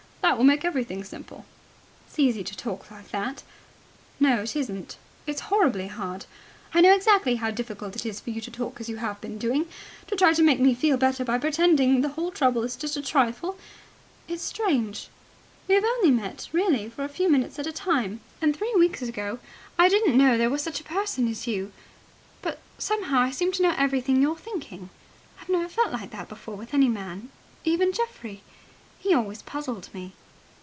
That will make everything simple." "It's easy to talk like that ... No, it isn't. It's horribly hard. I know exactly how difficult it is for you to talk as you have been doing to try to make me feel better by pretending the whole trouble is just a trifle ... It's strange ... We have only met really for a few minutes at a time, and three weeks ago I didn't know there was such a person as you, but somehow I seem to know everything you're thinking. I've never felt like that before with any man ... Even Geoffrey. .. He always puzzled me.